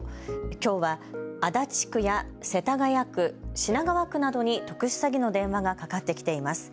きょうは、足立区や世田谷区、品川区などに特殊詐欺の電話がかかってきています。